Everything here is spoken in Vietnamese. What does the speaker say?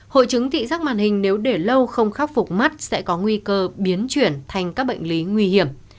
hội chứng thị giác màn hình nếu để lâu không khắc phục mắt sẽ có nguy cơ biến chuyển thành các bệnh lý nguy hiểm